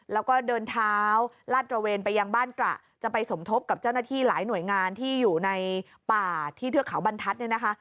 แล้วก็เดินเท้าลาดตระเวนไปยังบ้านตระจะไปสมทบกับเจ้าหน้าที่หลายหน่วยงานที่อยู่ในป่าที่เทือกเขาบรรทัศน์เนี่ยนะคะ